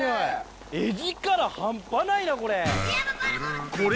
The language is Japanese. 絵力半端ないな、これ。